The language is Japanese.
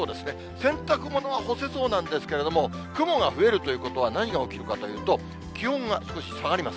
洗濯物は干せそうなんですけれども、雲が増えるということは何が起きるかというと、気温が少し下がります。